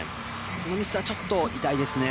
このミスはちょっと痛いですね。